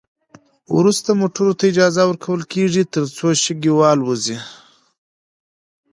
وروسته موټرو ته اجازه ورکول کیږي ترڅو شګې والوزوي